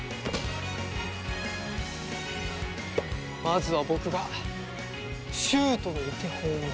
まずは僕がシュートのお手本を。